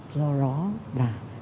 do đó là